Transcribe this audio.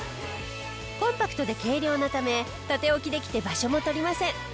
コンパクトで軽量なため縦置きできて場所も取りません。